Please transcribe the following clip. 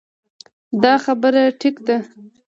دا خبره ټيک ده -